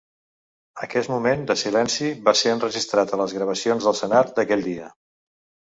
Aquest moment de silenci va ser enregistrat a les gravacions del Senat d'aquell dia.